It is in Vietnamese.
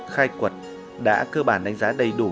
khai quật đã cơ bản đánh giá đầy đủ